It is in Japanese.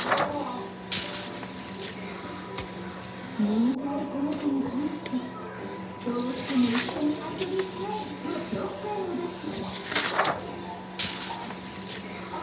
眠たい子猫に対し「どうしても一緒に遊びたい！」とちょっかいを出す。